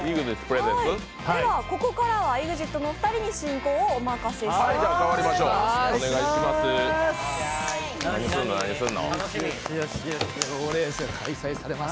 ここからはＥＸＩＴのお二人に進行をおまかせします。